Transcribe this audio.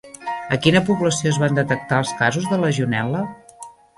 A quina població es van detectar els casos de legionel·la?